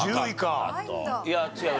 いや違う。